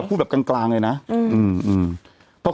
แต่หนูจะเอากับน้องเขามาแต่ว่า